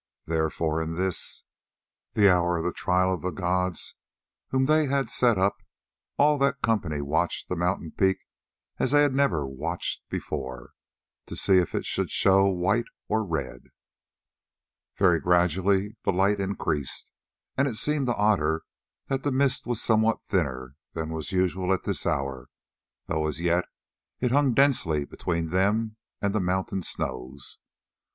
Therefore in this, the hour of the trial of the gods whom they had set up, all that company watched the mountain peak as they had never watched before, to see if it should show white or red. Very gradually the light increased, and it seemed to Otter that the mist was somewhat thinner than was usual at this hour, though as yet it hung densely between them and the mountain snows.